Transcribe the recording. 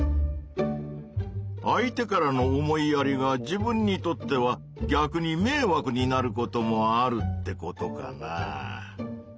相手からの思いやりが自分にとっては逆にめいわくになることもあるってことかなぁ。